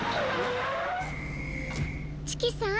チキさん